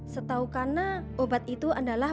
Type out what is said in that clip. setau karena obat itu adalah